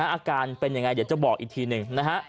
อาการเป็นยังไงเดี๋ยวจะบอกอีกทีหนึ่งนะฮะ